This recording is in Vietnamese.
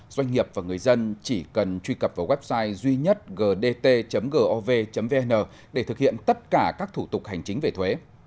doanh nghiệp và người dân chỉ cần truy cập vào website duy nhất gdt gov vn để thực hiện tất cả các thủ tục hành chính về thuế